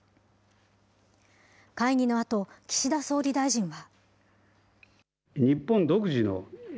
会議のあと、岸田総理大臣は。